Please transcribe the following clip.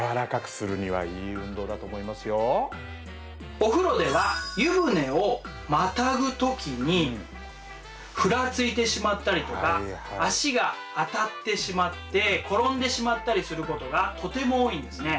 お風呂では湯船をまたぐ時にふらついてしまったりとか足が当たってしまって転んでしまったりすることがとても多いんですね。